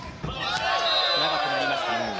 長くなりました。